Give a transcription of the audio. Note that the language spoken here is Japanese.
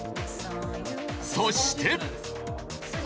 そして。